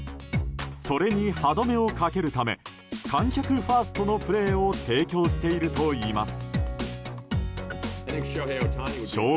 それに歯止めをかけるため観客ファーストのプレーを提供しているといいます。